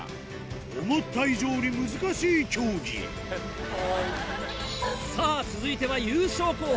思った以上に難しい競技さぁ続いては優勝候補